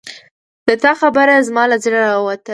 د تا خبره زما له زړه راووتله